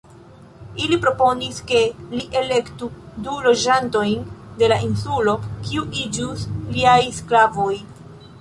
Ili proponis ke li elektu du loĝantojn de la insulo, kiu iĝus liaj sklavoj.